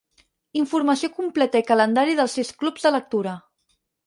Informació completa i calendari dels sis clubs de lectura.